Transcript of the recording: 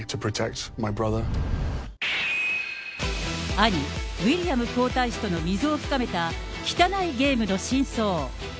兄、ウィリアム皇太子との溝を深めた、汚いゲームの真相。